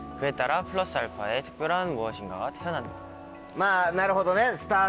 まぁなるほどね。